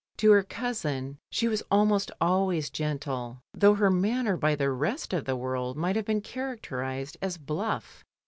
To her cousin she was almost always gentle, though her manner by the rest of the world might have been characterised as bluff.